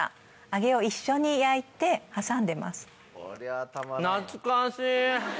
揚げを一緒に焼いて挟んでます。